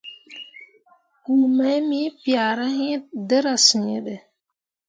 Pku mai me piahra iŋ dǝra sǝ̃ǝ̃be.